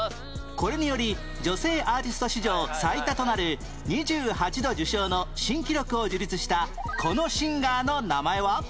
これにより女性アーティスト史上最多となる２８度受賞の新記録を樹立したこのシンガーの名前は？